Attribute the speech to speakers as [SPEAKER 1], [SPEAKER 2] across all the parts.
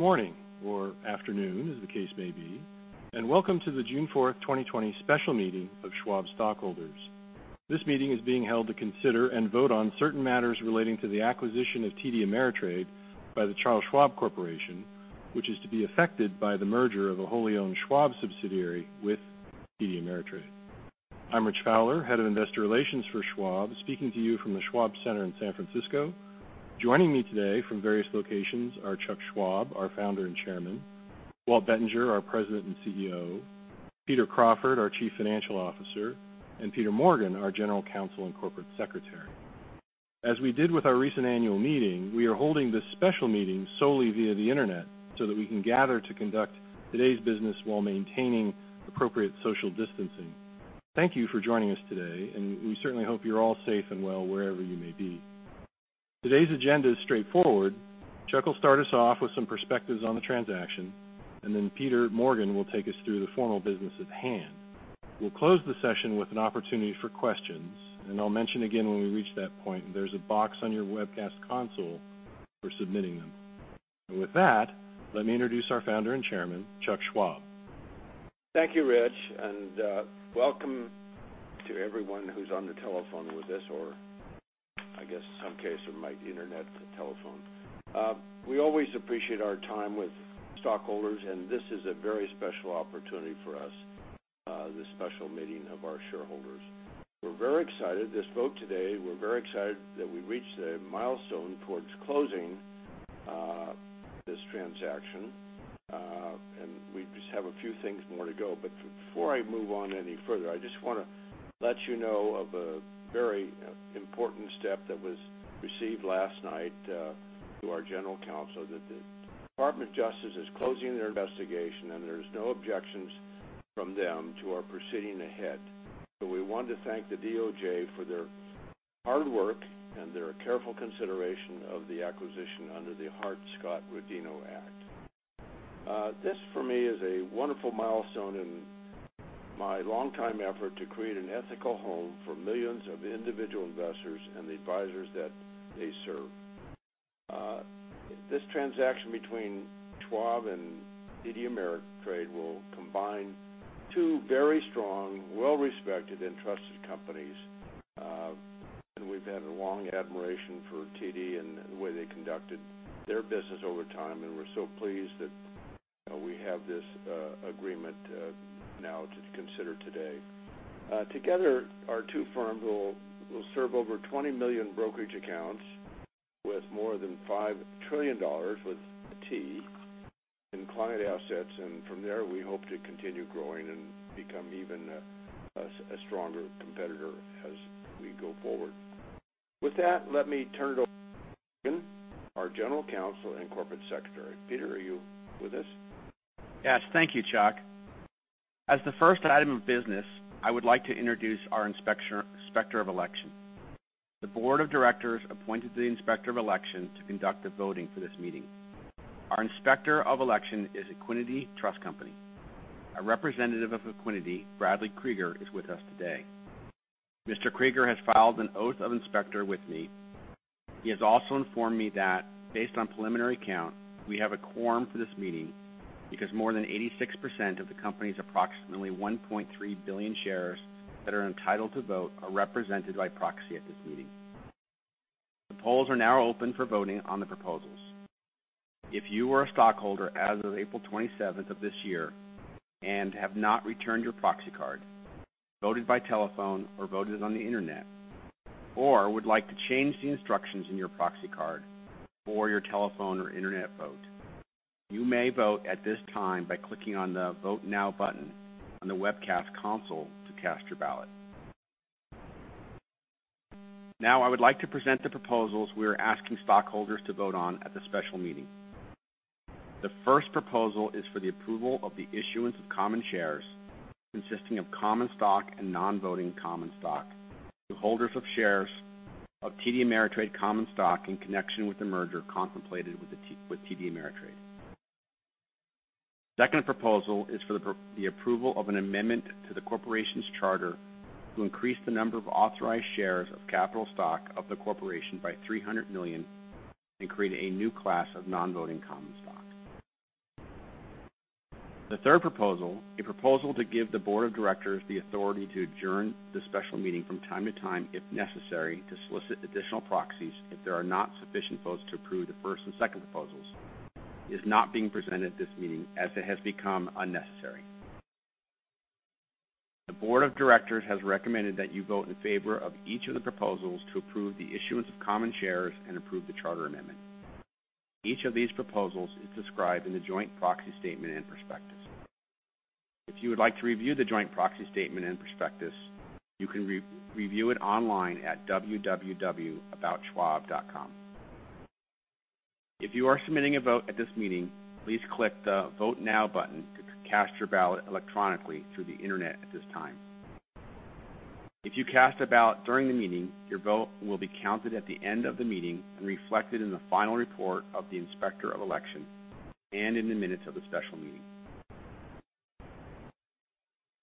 [SPEAKER 1] Morning or afternoon, as the case may be, welcome to the June 4th, 2020 special meeting of Schwab stockholders. This meeting is being held to consider and vote on certain matters relating to the acquisition of TD Ameritrade by the Charles Schwab Corporation, which is to be effected by the merger of a wholly-owned Schwab subsidiary with TD Ameritrade. I'm Rich Fowler, Head of Investor Relations for Schwab, speaking to you from the Schwab Center in San Francisco. Joining me today from various locations are Chuck Schwab, our Founder and Chairman, Walt Bettinger, our President and CEO, Peter Crawford, our Chief Financial Officer, Peter Morgan, our General Counsel and Corporate Secretary. As we did with our recent annual meeting, we are holding this special meeting solely via the Internet so that we can gather to conduct today's business while maintaining appropriate social distancing. Thank you for joining us today. We certainly hope you're all safe and well wherever you may be. Today's agenda is straightforward. Chuck will start us off with some perspectives on the transaction. Peter Morgan will take us through the formal business at hand. We'll close the session with an opportunity for questions. I'll mention again when we reach that point, there's a box on your webcast console for submitting them. With that, let me introduce our founder and chairman, Chuck Schwab.
[SPEAKER 2] Thank you, Rich. Welcome to everyone who's on the telephone with us, or I guess in some cases might be Internet telephone. We always appreciate our time with stockholders. This is a very special opportunity for us, this special meeting of our shareholders. We're very excited. This vote today, we're very excited that we reached a milestone towards closing this transaction. We just have a few things more to go. Before I move on any further, I just want to let you know of a very important step that was received last night through our general counsel that the Department of Justice is closing their investigation, there's no objections from them to our proceeding ahead. We want to thank the DOJ for their hard work and their careful consideration of the acquisition under the Hart-Scott-Rodino Act. This, for me, is a wonderful milestone in my longtime effort to create an ethical home for millions of individual investors and the advisors that they serve. This transaction between Schwab and TD Ameritrade will combine two very strong, well-respected, and trusted companies. We've had a long admiration for TD and the way they conducted their business over time, and we're so pleased that we have this agreement now to consider today. Together, our two firms will serve over 20 million brokerage accounts with more than $5 trillion, with a T, in client assets. From there, we hope to continue growing and become even a stronger competitor as we go forward. With that, let me turn it over to Peter Morgan, our general counsel and corporate secretary. Peter, are you with us?
[SPEAKER 3] Yes. Thank you, Chuck. As the first item of business, I would like to introduce our inspector of election. The board of directors appointed the inspector of election to conduct the voting for this meeting. Our inspector of election is Equiniti Trust Company. A representative of Equiniti, Bradley Krieger, is with us today. Mr. Krieger has filed an oath of inspector with me. He has also informed me that based on preliminary count, we have a quorum for this meeting because more than 86% of the company's approximately 1.3 billion shares that are entitled to vote are represented by proxy at this meeting. The polls are now open for voting on the proposals. If you are a stockholder as of April 27th of this year and have not returned your proxy card, voted by telephone or voted on the Internet, or would like to change the instructions in your proxy card or your telephone or internet vote, you may vote at this time by clicking on the Vote Now button on the webcast console to cast your ballot. I would like to present the proposals we are asking stockholders to vote on at the special meeting. The first proposal is for the approval of the issuance of common shares, consisting of common stock and non-voting common stock, to holders of shares of TD Ameritrade common stock in connection with the merger contemplated with TD Ameritrade. The second proposal is for the approval of an amendment to the corporation's charter to increase the number of authorized shares of capital stock of the corporation by 300 million and create a new class of non-voting common stock. The third proposal, a proposal to give the Board of Directors the authority to adjourn the special meeting from time-to-time, if necessary, to solicit additional proxies if there are not sufficient votes to approve the first and second proposals, is not being presented at this meeting as it has become unnecessary. The Board of Directors has recommended that you vote in favor of each of the proposals to approve the issuance of common shares and approve the charter amendment. Each of these proposals is described in the joint proxy statement and prospectus. If you would like to review the joint proxy statement and prospectus, you can review it online at www.aboutschwab.com. If you are submitting a vote at this meeting, please click the Vote Now button to cast your ballot electronically through the Internet at this time. If you cast a ballot during the meeting, your vote will be counted at the end of the meeting and reflected in the final report of the Inspector of Election and in the minutes of the special meeting.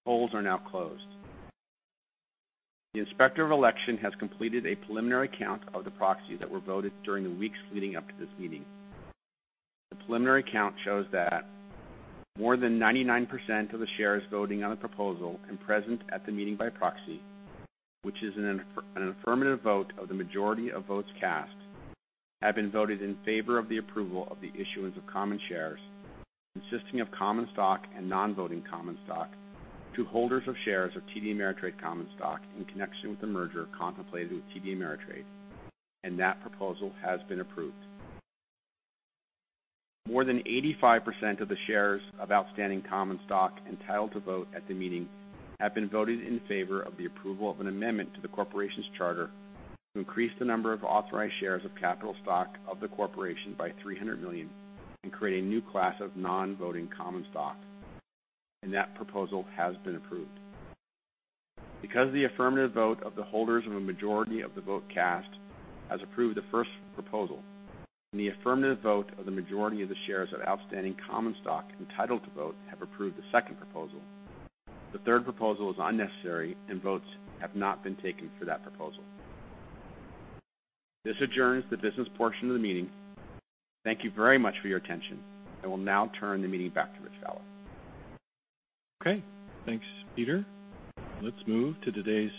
[SPEAKER 3] Polls are now closed. The Inspector of Election has completed a preliminary count of the proxies that were voted during the weeks leading up to this meeting. The preliminary count shows that more than 99% of the shares voting on the proposal and present at the meeting by proxy, which is an affirmative vote of the majority of votes cast, have been voted in favor of the approval of the issuance of common shares, consisting of common stock and non-voting common stock, to holders of shares of TD Ameritrade common stock in connection with the merger contemplated with TD Ameritrade, and that proposal has been approved. More than 85% of the shares of outstanding common stock entitled to vote at the meeting have been voted in favor of the approval of an amendment to the corporation's charter to increase the number of authorized shares of capital stock of the corporation by 300 million and create a new class of non-voting common stock, and that proposal has been approved. Because the affirmative vote of the holders of a majority of the vote cast has approved the first proposal, and the affirmative vote of the majority of the shares of outstanding common stock entitled to vote have approved the second proposal, the third proposal is unnecessary and votes have not been taken for that proposal. This adjourns the business portion of the meeting. Thank you very much for your attention. I will now turn the meeting back to Rich Fowler.
[SPEAKER 1] Okay, thanks, Peter. Let's move to today's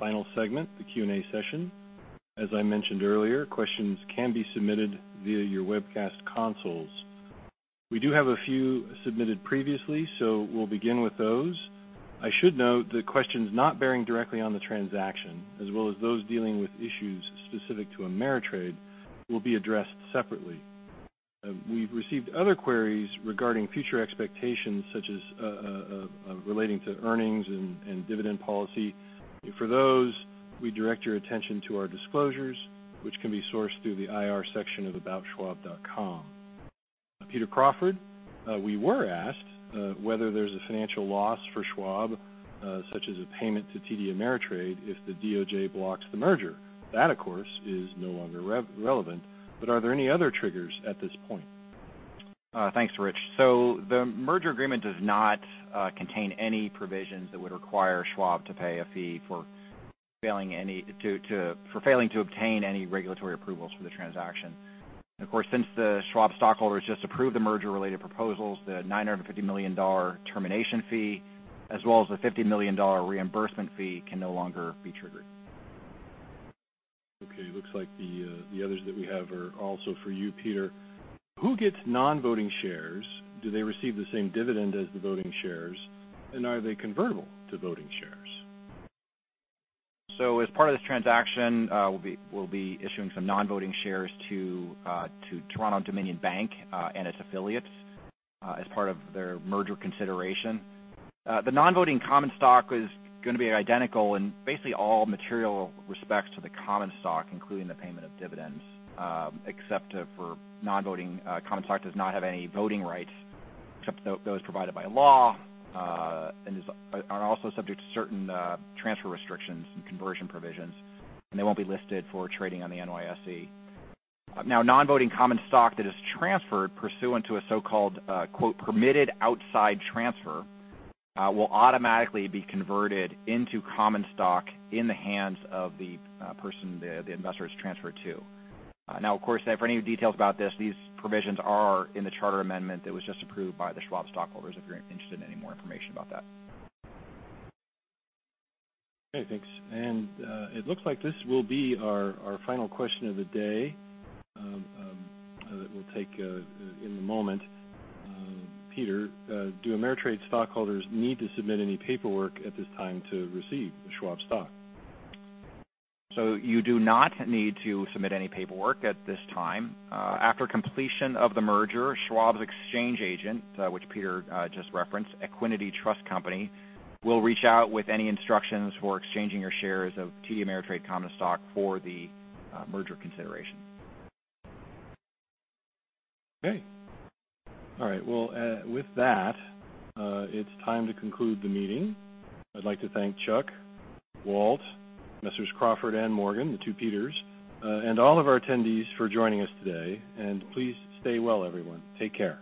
[SPEAKER 1] final segment, the Q&A session. As I mentioned earlier, questions can be submitted via your webcast consoles. We do have a few submitted previously, so we'll begin with those. I should note that questions not bearing directly on the transaction, as well as those dealing with issues specific to TD Ameritrade, will be addressed separately. We've received other queries regarding future expectations, such as relating to earnings and dividend policy. For those, we direct your attention to our disclosures, which can be sourced through the IR section of aboutschwab.com. Peter Crawford, we were asked whether there's a financial loss for Schwab, such as a payment to TD Ameritrade, if the DOJ blocks the merger. That, of course, is no longer relevant, but are there any other triggers at this point?
[SPEAKER 4] Thanks, Rich. The merger agreement does not contain any provisions that would require Schwab to pay a fee for failing to obtain any regulatory approvals for the transaction. Of course, since the Schwab stockholders just approved the merger-related proposals, the $950 million termination fee, as well as the $50 million reimbursement fee, can no longer be triggered.
[SPEAKER 1] Okay, looks like the others that we have are also for you, Peter. Who gets non-voting shares? Do they receive the same dividend as the voting shares? Are they convertible to voting shares?
[SPEAKER 4] As part of this transaction, we'll be issuing some non-voting shares to Toronto-Dominion Bank and its affiliates as part of their merger consideration. The non-voting common stock is gonna be identical in basically all material respects to the common stock, including the payment of dividends, except for non-voting common stock does not have any voting rights except those provided by law, and are also subject to certain transfer restrictions and conversion provisions, and they won't be listed for trading on the NYSE. Non-voting common stock that is transferred pursuant to a so-called, quote, "permitted outside transfer," will automatically be converted into common stock in the hands of the person the investor is transferred to. Of course, for any details about this, these provisions are in the charter amendment that was just approved by the Schwab stockholders, if you're interested in any more information about that.
[SPEAKER 1] Okay, thanks. It looks like this will be our final question of the day that we'll take in a moment. Peter, do Ameritrade stockholders need to submit any paperwork at this time to receive the Schwab stock?
[SPEAKER 4] You do not need to submit any paperwork at this time. After completion of the merger, Schwab's exchange agent, which Peter just referenced, Equiniti Trust Company, will reach out with any instructions for exchanging your shares of TD Ameritrade common stock for the merger consideration.
[SPEAKER 1] Okay. All right, well, with that, it's time to conclude the meeting. I'd like to thank Chuck, Walt, Messrs. Crawford and Morgan, the two Peters, and all of our attendees for joining us today, and please stay well, everyone. Take care.